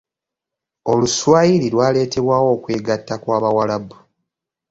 Oluswayiri lwaleetebwawo okwegatta kw'abawarabu.